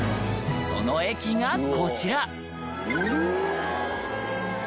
その駅がこちら！